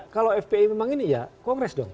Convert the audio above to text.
kalau fpi memang ini ya kongres dong